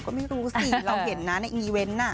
ก็ไม่รู้สิเราเห็นนะในอีเวนต์น่ะ